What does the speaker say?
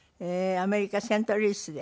アメリカセントルイスで。